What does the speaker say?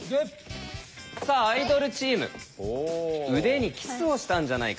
さあアイドルチーム「腕にキスをしたんじゃないか」。